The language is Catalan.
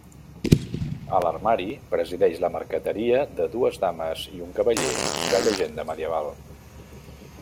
A l'armari presideix la marqueteria de dues dames i un cavaller de llegenda medieval.